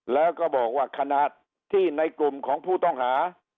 แล้วก็บอกว่าขณะที่ในกลุ่มของผู้ต้องหา